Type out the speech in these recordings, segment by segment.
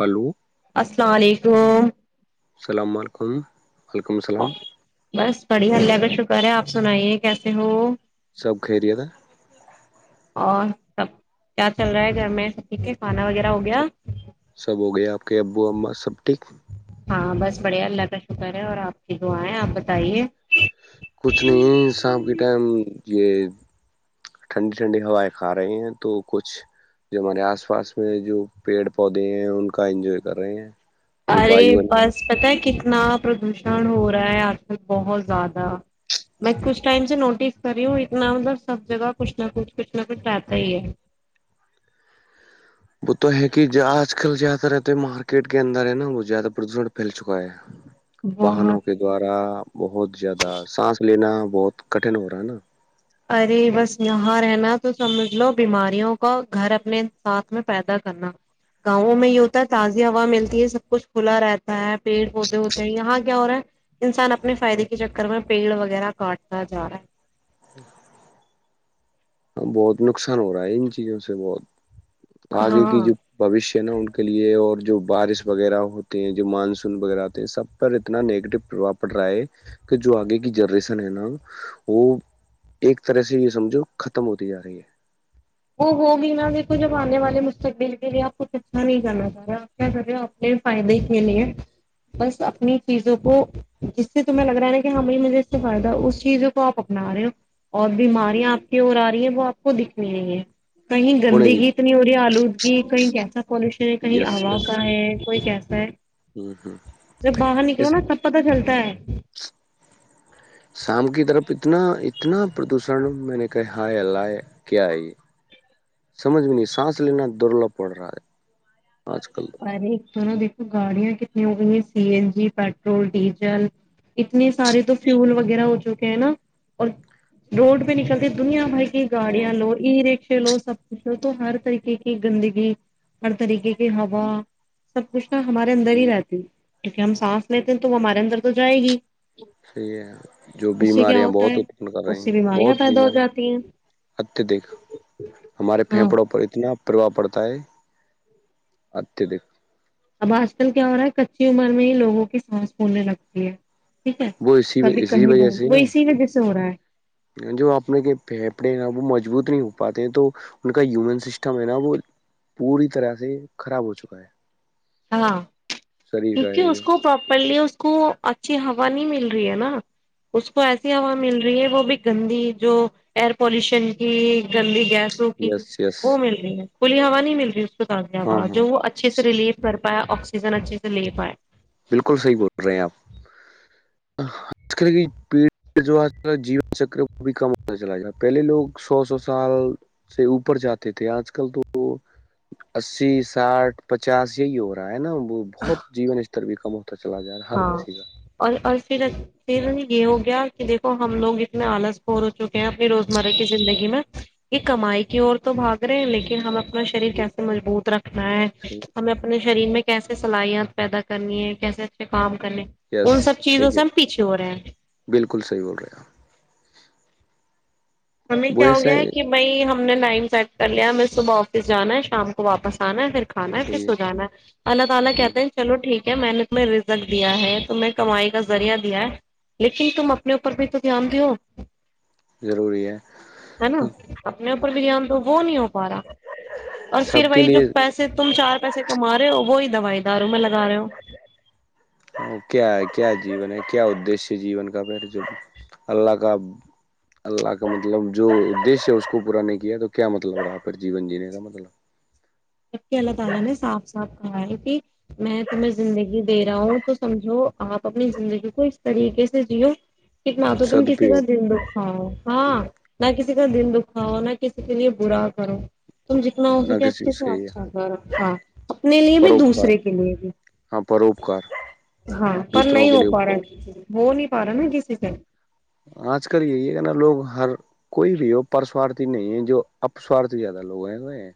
Hello السلام علیکم السلام علیکم وعلیکم السلام بس پڑی اللہ کہ شک کرے آپ سنائیے کیسے ہو سب خیریت ہے اور سب کیا چل رہا ہے گھر میں سب ٹھیک ہے کھانا وغیرہ ہو گیا سب سب ہو گیا آپ کے ابو اا سب ٹھیک ہاں بس بڑھیا اللہ کا شکر ہے اور آپ کی دعایں آپ بتائیے کچھ نہیں شام کے ٹائم یہ ٹھنڈی ٹھنڈی ہوائیں کھا رہے ہیں تو کچھ جو ہمارے آس پاس میں جو پیڑ پودے ہیں ان کا انجوائے کر رہے ہیں جو ارے وایو ہے نا، بس پتا ہے اتنا پردوشن ہو رہا ہے آج کل بہت زیادہ میں کچھ ٹائم سے نوٹس کر رہی ہوں اتنا مطلب سب جگہ کچھ نہ کچھ کچھ نہ کچھ رہتا ہی ہے وہ تو ہے کہ آج کل جیادہ رہتے ہے مارکیٹ کے اندر ہے نا وہ زیادہ پردوشن پھیل چکا ہے بہت واہنوں کے دوارا بہت زیادہ سانس لینا بہت کٹن ہو رہا ہے نا ارے بس یہاں رہنا تو سمجھ لو بیماریوں کا گھر اپنے ساتھ میں پیدا کرنا گاؤوں میں یہ ہوتا ہے تازی ہوا ملتی ہے سب کچھ کھلا رہتا ہے پیڑ پودے ہوتے ہیں یہاں کیا ہو رہا ہے انسان اپنے فائدے کے چکر میں پیڑ وغیرہ کاٹتا جا رہا ہے [inaudible] ہاں بہت نقصان ہو رہا ہے ان چیزوں سے بہت آگے کی ہاں جو بھوس نا ان کے لیے اور جو بارش وغیرہ ہوتے ہیں جو مانسون وغیرہ ہوتے ہیں سب پر اتنا نگیٹو پربؤ پڑ رہا ہے کہ جو آگے کی جنریشن ہے نا وہ ایک طرح سے یہ سمجھو ختم ہوتی جا رہی ہے وہ ہوگ نا دیکھو جب آنے والے مستقبل کے لیے آپ کچھ اچھا نہیں کرنا چاہ رہے آپ کیا کر رہے ہو اپنے فائدے کے لیے بس اپنی چیزوں کو جس سے تمہیں لگ رہا ہے نا کہ ہاں بھائی مجھے اس سے فائد اس چیزوں کو آپ اپنا رہے ہو اور بیماریاں آپ کی اور آ رہی ہیں وہ آپ کو دکھنی نہیں ہے کہیں پونے گندی کی۔ گیت نہیں ہو رہی ہے آلودگی کہیں کیسا پالوشن ہے کہیں یس ہا یس کا ہے کوئی کیسا ہے ہ ہ جب باہر نکلو نا تب پتا چلتا تار شام کی طرف اتنا اتنا پردوشن میں نے کہا ہائے ال لائے کیا ہے یہ سمجھ میں نہیں سانس لینا درلب پڑ رہا ہے آج کل ارے ایک تو نا دیک گاڑیاں کتنی ہو گئی ہیں C N G petrol diesel اتنے سارے تو فیول وغیرہ ہو چکے ہیں نا اور روڈ پہ نکلتے دنیا بھائی ہاں گاڑیا لو ای رکش لو سب کچھ لو تو ہر طریقے کی گندگی ہر طریقے کے ہ سب کچھ ہمارے اندر ہی ہوں، رہتی کیونکہ ہم سانس لیتے ہیں تو وہ ہمارے اندر تو جائے گی صحیح ہے جو اس سے کیا بیماریاں ہوتا بہت ہے اتپن کر رہی اس سے ہیں بیماریاں بہت پیدا ہو بیمارییاں جاتی ہیں اتدک ہمارے ہاں پھیپڑوں پر اتنا پرواہ پڑتا ہے اتدک اب آج کل کیا ہو رہا ہے کچی عمر میں ہی لوگوں کی سانس پولنے لگتی ہے ٹھیک ہے وہ اسی کبھی اسی کہیں وجہ سے وہ نا اسی وجہ سے ہو رہا ہے جو اپنے کے پھیپڑے نا وہ مجبوط نہیں ہو پاتے ہیں تو ان کا ہیومن سسٹم ہے نا وہ پوری طرح سے خراب ہو چکا ہے ہاں شریر کا کیونکہ ہے اس جو کو پراپرلی اس کو اچھی ہوا نہیں مل رہی ہے نا اس کو ایسی ہوا مل رہی ہے وہ بھی گندی جو ایئر پالوشن کی گندی گیس سو کی یس یس وہ مل رہی ہے کھلی ہا نہیں نہیں مل رہی ہاں دیاا ہاں جو وہ اچھے سے ریلیٹ کر پائے آکسیجن اچھے سے لے پائے بالکل صحیح بول رہے آپ آج کل کی پیڑ جو آج کل جون چکر وہ بھی کم ہو چلاا پہلے لوگ سو سو سال سے اوپر جاتے تھے آج کل تو اسی ساٹھ پچاس یہی ہو رہا ہے نا وہ بہت جی اتر بھی کم ہو تو چلا جا رہا ہے ہر ہاں کسی کا اور اور پھر پھر یہ ہوگیا کہ دیکھو ہم لوگ اتنے آلس پور ہو چکے ہیں اپنی روزمرہ کی زندگی میں کہ کمائی کی اور تو بھاگ رہے لیکن ہم اپنا شریر کیسے مضبوط رکھ ہاں ہمیں اپنے شریر میں کیسے صلاحیت پیدا کرنی ہے کیسے پ یس ان سب چیزوں صحیح سے ہے ہم پیچھے ہو رہے ہیں بالکل صحیح بول رہے ہیں ہمیں آپ، وہ کیا ہو ایسا گیا ہے کہ میں ہم ہم نے لائن سیٹ کر لیا ہم صبح آفس جانا ہے شام کو واپس آنا ہے صحیح ہے پھر اللہ تعالی ہ کہتا ہے چلو ٹھیک کیا میں نے تمہ رک دیا ہے تم کمائی کا ذریعہ دیا ہے لیکن تم اپنے اوپر بھی تو دھیان دو ہو ضروری ہے ہے نا اپنے آپ بریان تو وہ نہیں ہوتا اور سب پھر کے وہی جو لیے پیسے تم چار پیسے کما رہے ہو وہی دوائی داروں میں لگا رہے ہو کیا ہے کیا جیون ہے کیا ادش جیون کا پھر جب اللہ کا اللہ کا مطلب جو ادش ہے اس کو پورا نہیں کیا تو کیا مطلب رہا پھر جیون جینے کا مطلب جبک اللہ تعالی نے صاف صاف کہا ہے کہ میں تمہیں زندگی دے رہا ہوں تو سمجھو لپ اپنی زندگی کو اس طریقے سے جیو کتنا تو تم کسی کا سدپیوگ دل دکھاؤ ہاں نہ کسی کا دن دکھاؤ نہ کسی کے لیے برا کرو تم جتنا ہو نہ سک کسی کیا صحیح ہے اچھا گ [unintelligible] ہاں اپنے لیے بھی پروپکار دوسرے کے لیے بھی ہاں پروپکار ہاں پر دوسروں نہیں کے ہو لیے پا رہا اپکار ہے ہو نہیں فارم ہے گیسی پ آج کل یہی ہے کہ نا لوگ ہر کوئی بھی ہو پرسوارتھی نہیں ہے جو اپسوارتھی زیادہ لوگ ہیں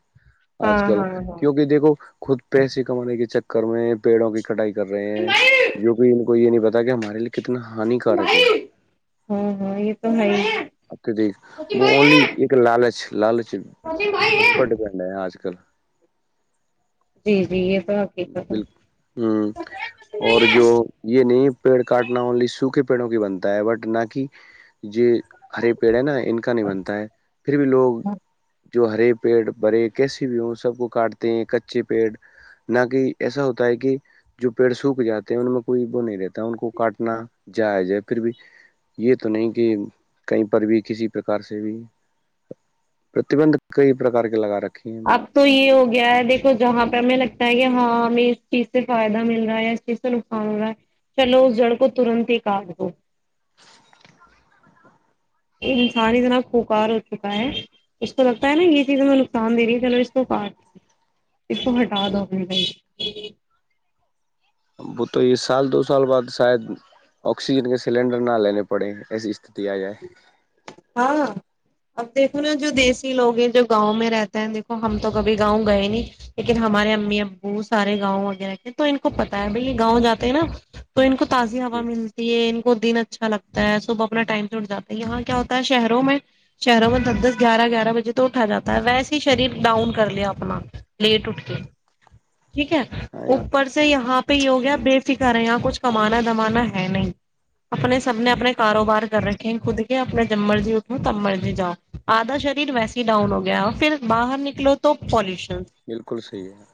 آج ہاں کل ہاں ہاں کیونکہ دیکھو خود پیسے کمانے کے چکر کر میں پیڑوں کے کٹائی کر رہے ہیں جو کہ ان کو یہ نہیں پتا گ مار لک کتنا ہانی کارک ہے ہاں ہاں یہ تو ہے چھ لال [unintelligible] اس پر ہی ڈیپینڈ ہے آج کل جی جی یہ [unintelligible] ہے بالکل ہ اور جو یہ نہیں پیڑ کاٹنا انلی سوکھے پیڑوں کی بنتا ہے بٹ نہ کہ یہ ہرے پیڑ ہے نا ان کا نہیں بنتا ہے پھر بھی لوگ جو ہرے پیڑ برے کیسی بھی ہوں سب کو کاٹتے ہیں کچے پیڑ نہ کہ ایسا ہوتا ہے کہ جو پیڑ سوکھ جاتے ہیں ان میں کوئی وہ نہیں رہتا ہے ان کو کاٹنا جائز ہے پھر بھی یہ تو نہیں کہ کہیں پر بھی کسی پرک سے بھی پرتبندند کئی پرک کے لگا رکھ اب تو یہ ہو گیا ہے دیکھو جہاں پہ ہمیں لگتا ہے کہ ہاں ہمیں اس چیز سے فائدہ مل رہا ہے اس چیز سے نقصان ہو رہا ہے چلو اس جڑ کو ترنت ہی کاٹ دو انسان اتنا پکار ہو چکا ہے اس کو لگتا ہے نا یہ چیز ہمیں نقصان دے رہی ہے چلو اس کو کاٹ اس کو ہٹا دو گ وہ تو یہ سال دو سال بعد شاید آکسیجن کے سلینڈر نہ لینے پڑے ایسی استتی آ جائے ہاں اب دیکھو نا جو دیسی لوگ ہیں جو گاؤں میں رہتے ہیں دیکھو ہم تو کبھی گاؤں گئے نہیں لیکن ہمارے امی ابو سارے گاؤں وغیرہ کے تو ان کو پت ہے بھائی یہ گاؤں جاتے ہیں نا تو ان کو تازی ہا ملتی ہے دن اچھا لگتا ہے صبح اپنا ٹائم سے اٹھ جا ہے یہاں کیا ہو شہروں میں شہروں میں دس دس گیارہ گیارہ بجے تو اٹھا جاتا ہے ویسے ہی شریر ڈاؤن کر لیا اپنا لیٹ اٹ کے ٹھیک ہے ہاں یار اوپر سے یہاں پہ یہ ہو گیا بے فکر ہے یہاں کچھ کمانا دمانا ہے نہیں اپنے سپنے اپنے کاروبار کر رکھے ہیں خود کے اپنے جب مرضی اٹھو تب مرضی جاؤ آدھا شریر ویسے ہی ڈاؤن ہو گیا پھر باہر نکلو تو پالش بالکل صحی ہے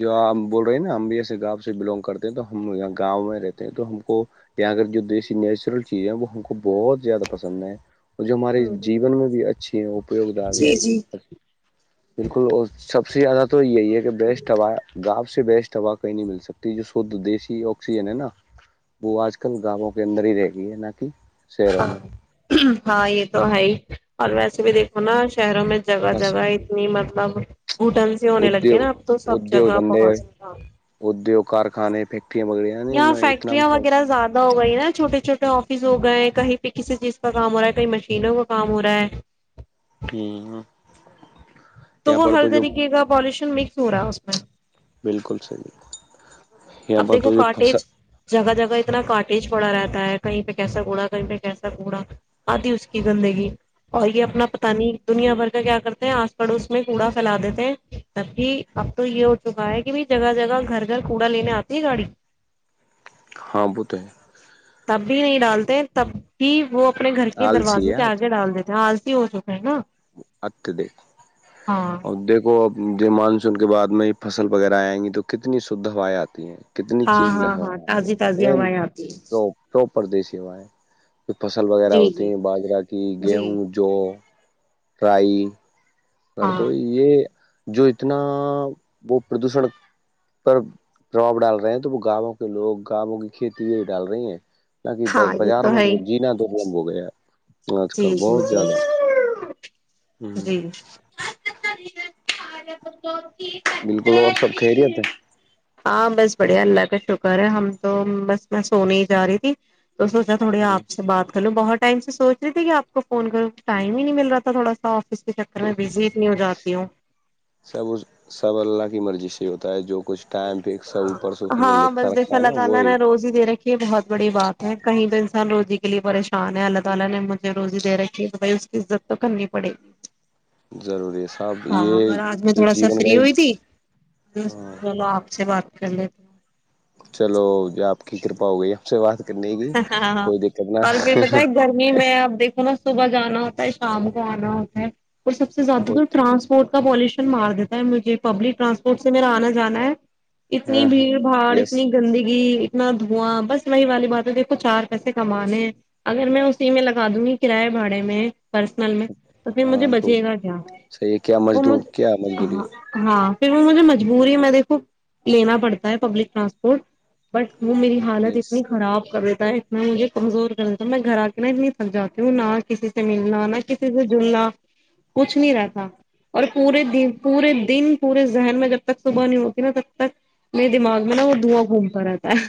جو آ بول رہے ہیں نا ہم بھی ایسے گاؤں سے بلونگ کرتے ہیں تو ہم یہاں گاؤں میں رہتے ہیں تو ہم کو یہاں جو دیسی نیچرل چیز ہے وہ ہم کو بہت زیادہ پسند ہے اور جو ہمارے جیون میں بھی اچھی ہےوگ آ گیا ہیں بالکل اور سب سے زیادہ تو یہی ہے کہ بیسٹ گاؤ سے بیسٹ ہوا کہیں نہیں مل سکتی جو شھ دیسیی آکسیجن ہے نا وہ آج کل گاووں کے اندر ہی رہ گئی ہے نہ کہ شہروں ہاں میں [unintelligible] ہاں یہ تو ہے ہی اور ویسے بھی دیکھو نا شہروں میں جگہ بس جگہ اتنی مطلب گھٹن سے ہونے لگی ہے ادیوگ نا اب تو سب ادیوگ جگہ دھندے پہنچ گا ادیوگ کارخانے پ [unintelligible] یااں فیکٹریا وغیرہ زیادہ ہو وہی نا چھوٹے چھوٹے آفس ہو گئے کہیں پہ کسی چیز کا کام ہو رہا ہے کہیں مشینوں کا کام ہو رہا ہے ہوں [unintelligible] تو وہ ہرد نکے گا پالش مکس ہو رہا ہے اس میں بالکل صحیح یہاں اب پر دیکھو تو جو فسا کاٹیج جگہ جگہ اتنا کٹیج پڑا رہتا ہے کہیں پہ کیسا کوڑا کہیں پہ کیسا کوڑا آتی اس کی گندگی اور یہ اپنا پتا نہیں دنیا بھر کا کیا کرتے ہیں آس پڑوس میں کوڑا پھیلا دیتے ہیں تب بھی اب تو یہ ہو چکا ہے کہ ب جگہ جگہ گھر گھر کوڑا لینے آتا ت گاڑی [unintelligible] ہاں بتے ہیں بھی نہیں ڈالتے تب بھی وہ اپنے گھر کے آلسی دروازے ہے پ آ کے ڈال دیتے تھ ہیں آ [inaudible] اتے دیکھ ہاں اور دیکھو اب ج مانسون کے بعد میں فصل وغیرہ آئیں گی تو کتنی شدھ ہوائیں آتی ہیں کتنی ہاں چییر ہاں لگ ہاں تازی تازی ہوائیں آتی ہے پپ پردیشیواں ہے فصل وغیرہ جی ہوتی جی ہیں باجرہ کی جی گیہوں جو رائی پر تو ہاں یہ جو اتنا وہ پردوشن پر پرباؤ ڈال رہے ہیں تو وہ گاؤوں کے لوگ گاؤوں کی کھیتی یہ ڈال رہی ہیں [unintelligible] ہاں یہ تو ہے ہی [unintelligible] جی جی بہت جی زیادہ ہ جی بالکل اور سب خیریت ہے [unintelligible] ہاں بس بڑیا اللہ کا شکر ہے ہم تو بس میں سونے ہی جا رہی تھی تو سوچا تھوڑی ہ آپ سے بات کر لوں بہت ٹائم سے سوچ تھی کہ آپ کو فون کروں ٹائم ہی نہیں مل رہ تھا تھوڑا سا فس کے چکر میں بزی اتنی ہو جاتی ہوں سب سب اللہ کی مرضی ہوتا ہے جو [unintelligible] یہ بہت بڑی بات ہے کہیں تو انسان روزی کے لیے پریشان ہے اللہ تعالی نے مجھے روزی دے رکھی ہے تو بھائی اس کی عزت تو کرنی پڑے گی ضروری ہے سب ہاں یہ اور آج میں جو تھوڑا سا جیون کا فری ایک ہوئی تھی میں نے ہاں سوچا چلو آپ سے بات کر لیتی ہوں چلو جو آپ کی کرپا ہو گئی ہمپ سے بات کرنے کی ہاں ہاں کوئی دقت نہ اور پھر بتائے گرمی میں آپ دیکھو نا صبح جانا ہوتا ہے شام کو آنا ہوتا ہے اور سب سے زیادہ تو بہت ٹرانسپورٹ کا پالوشن مار دیتا ہے مجھے پبلک ٹرانسپورٹ سے میرا آنا جانا ہے اتنی ہاں ہاں بھیڑ بھاڑ یس اتنی گندگی نہ دھواں بس وہی والی بات دیکھو چار پیسے کمانے ہیں اگر میں اسی میں لگا دوں گی کراائے بھاڑے میں پرسنل میں تو پھر مجھے ہاں تو بچے گا کیا صحیح ہے کیا وہ مج مزدور کیا مزدوری ہاں ہاں پھر مجھے مجبوری میں دیکھو لینا پڑتا ہے پبلک ٹرانسپورٹ بٹ وہ میری حالت یس اتنی ہی خراب کر دیتا ہے اتنا مجھے کمزور کر دیتا ہ میں گھر آ کے نا اتنی تھک جاتی ہوں نہ کسی سے ملنا نہ کسی سے جلنا کچھ نہیں رہتا اور پورے دن پورے دن پورے ذہن میں جب تک صبح نہیں ہوتی نا تب تک میرے دماغ میں نا وہ دھواں گھومتا رہتا ہے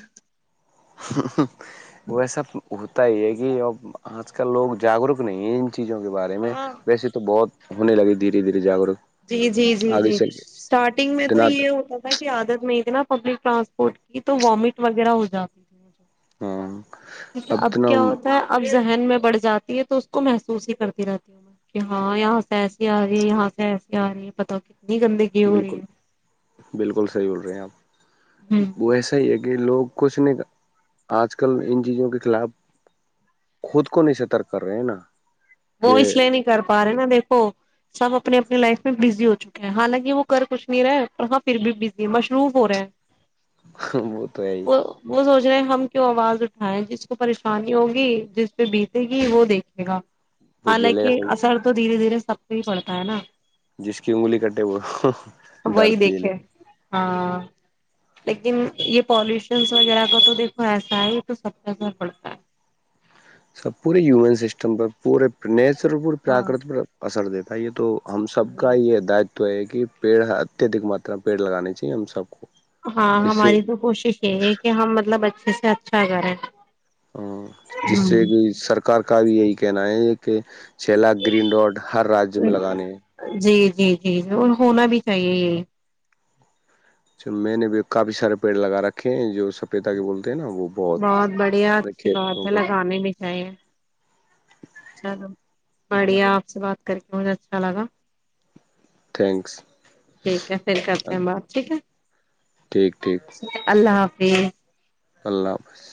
ویسا تو بہت تا ے ہے کی اب آج کل لوگ جاگروک نہیں ہے چیزوں کے بارے میں ویسے تو بہت ہونے لگے دھیرے دھیر جاگ رک جی جی جی جی سٹارٹنگ میں تو اتنا یہ ہوتا تھا کہ عادت میں ا پبلک ٹرانسپورٹ کی تو وامٹ وغیرہ ہو جاتی تھی ہاں اچھا اب اتنا کیا ہوتا ہے اب ذہن میں بڑھ جاتی ہے تو اس کو محسوس ہی کرتی رہتی ہوں میں کہ ہاں یہاں سے ایسی آ گی یہاں سے ایسی کیا رہ یہ پتا ہو کیا بالکل بالکل صحیح بول رہے ہیں ہوں آپ وہ ایسا ہی ہے کہ لوگ کچھ نہیں آج کل ان چیزوں کے خلاف خود کو نہیں سترک کر رہے ہیں نا وہ کہ اس لیے نہیں کر پا رہے نا دیک سب اپنے اپنے لائف میں بزی ہو چکے ہیں حالانکہ وہ کر کچھ نہیں رہے پر ہاں پھر بھی بزی ہے مصروف ہو رہے ہیں وہ تو ہے نے ہم کیوں آواز اٹھائے جس کو پریشانی ہوگی جس پہ بیتے گی وہ دیکھے گا وہ جیلے کا حالانکہ صحیح اسر تو دھیرے دھیر سب کو ہی پڑتا ہے نا جس کی انگلی کٹے وہ وہی درد جیلے دیکھے ہاں لیکن یہ پالوشنس وغیرہ کا تو دیکھو ایسا ہے تو سب کےثر پڑتا ہے سب پورے ہیومن سسٹم پر پورے ن سر پ ہاں پراکرتی پ اصر د تئیے تو ہم سب کا جی یہ داتو ہے کہ پیڑ اتیہدک ماترا میں پیڑ لگانے چاہی ہم سب کو ہاں جس سے ہماری تو کوشش یہ ہے کہ ہم مطلب اچھے سے اچھا کریں ہاں جس ہوں سے کہ سرکار کا بھی یہی کہنا ہے کہ چیلا گرین ڈاڈ ہر راج میں لگانے ہیں جی جی جی اور ہونا بھی چاہیے یہ چ میں نے بھی کافی سارے پیڑ لگا رکھے ہیں جو سپیتا کے بول بہت بڑھیا اچھی بات ہے لگانے میں چاہیے چلو بڑھیا آپ سے بات کر کے مجھے اچھا لگا تھینکس ٹھیک ہے پھر کرتے ہیں بات ٹھیک ہے ٹھیک ٹھیک اللہ حافظ جی اللہ حافظ